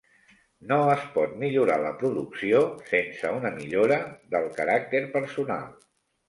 No es pot millorar la producció sense una millora del caràcter personal.